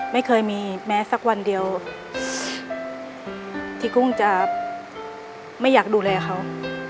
ไม่เคยมีแม้สักวันเดียวที่กุ้งจะไม่อยากดูแลเขา